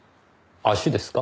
足ですか？